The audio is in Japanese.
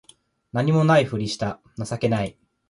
何も無いふりした情けない